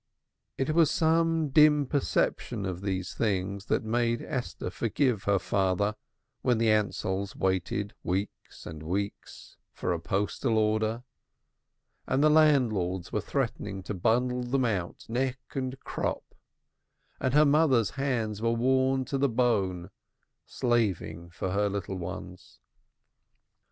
It was some dim perception of these things that made Esther forgive her father when the Ansells waited weeks and weeks for a postal order and landlords were threatening to bundle them out neck and crop, and her mother's hands were worn to the bone slaving for her little ones.